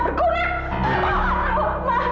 kamu juga karena hard palabra yang bagus